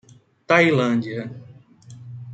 Tailândia